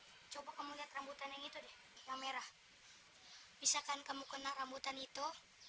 hai coba kamu lihat rambutan yang itu deh yang merah misalkan kamu kena rambutan itu